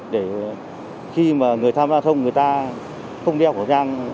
để khi mà người tham gia giao thông người ta không đeo khẩu trang